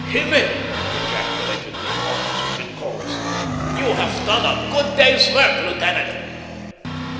"Himmel!" ejaculated the officers in chorus. "You have done a good day's work, lieutenant."